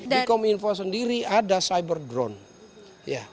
di kominfo sendiri ada cyber drone